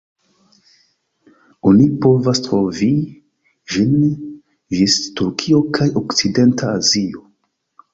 Oni povas trovi ĝin ĝis Turkio kaj okcidenta Azio.